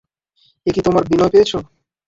এ কি তোমার বিনয় পেয়েছ?